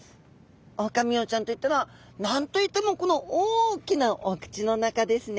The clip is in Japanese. オオカミウオちゃんといったら何と言ってもこの大きなお口の中ですね。